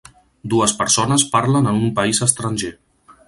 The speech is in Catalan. Dues persones parlen en un país estranger.